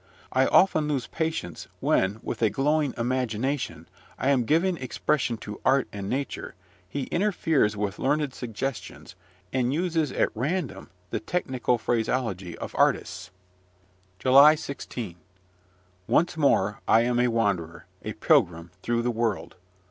I often lose patience, when, with a glowing imagination, I am giving expression to art and nature, he interferes with learned suggestions, and uses at random the technical phraseology of artists. JULY 16. Once more I am a wanderer, a pilgrim, through the world.